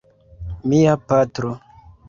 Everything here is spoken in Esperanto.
Mia patro.